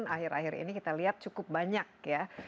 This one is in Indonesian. akhir akhir ini kita lihat cukup banyak ya